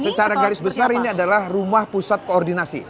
secara garis besar ini adalah rumah pusat koordinasi